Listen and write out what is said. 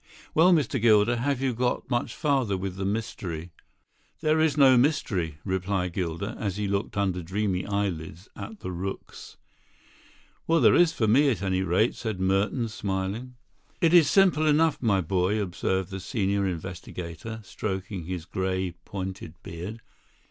"Well, Mr. Gilder, have you got much farther with the mystery?" "There is no mystery," replied Gilder, as he looked under dreamy eyelids at the rooks. "Well, there is for me, at any rate," said Merton, smiling. "It is simple enough, my boy," observed the senior investigator, stroking his grey, pointed beard.